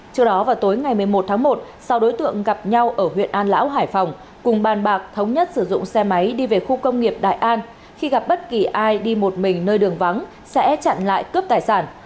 trước đó vào tối ngày một mươi một tháng một sau đối tượng gặp nhau ở huyện an lão hải phòng cùng bàn bạc thống nhất sử dụng xe máy đi về khu công nghiệp đại an khi gặp bất kỳ ai đi một mình nơi đường vắng sẽ chặn lại cướp tài sản